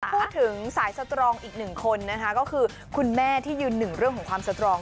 พูดถึงสายสตรองอีกหนึ่งคนนะคะก็คือคุณแม่ที่ยืนหนึ่งเรื่องของความสตรอง